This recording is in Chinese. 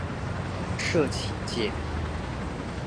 社企界